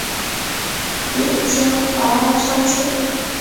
贬监怀安商税。